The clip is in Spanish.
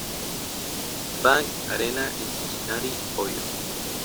Bank Arena en Cincinnati, Ohio.